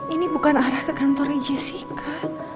ini bukan arah ke kantornya jessica